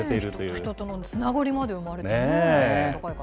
人と人とのつながりまで生まれてね。